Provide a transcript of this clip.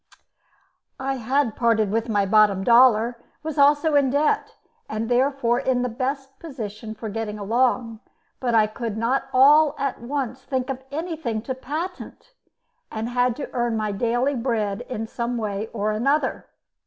I had parted with my bottom dollar, was also in debt, and therefore in the best position for getting along; but I could not all at once think of anything to patent, and had to earn my daily bread some way or other.